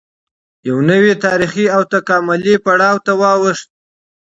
یوه نوې تارېخي او تکاملي پړاو ته واوښته